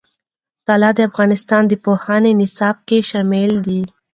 طلا د افغانستان د پوهنې نصاب کې شامل دي.